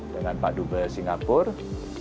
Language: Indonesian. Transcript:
dengan paduba singapura